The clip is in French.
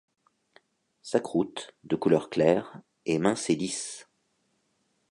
Sa croûte, de couleur claire, est mince et lisse.